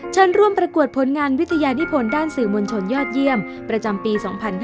เชิญร่วมประกวดผลงานวิทยานิพลด้านสื่อมวลชนยอดเยี่ยมประจำปี๒๕๕๙